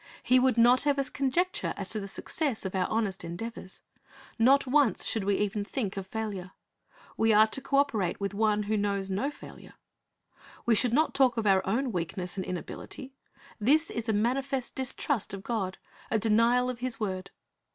He would not ha\"e us conjecture as to the success of our honest endeavors. Not once should we even think of failure. We are to co operate with One who knows no failure. We should not talk of our own weakness and inability. This is a manifest distrust of God, a denial of His word.